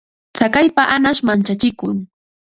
Tsakaypa añash manchachikun.